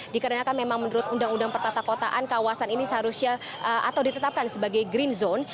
dikarenakan memang menurut undang undang pertata kotaan kawasan ini seharusnya atau ditetapkan sebagai green zone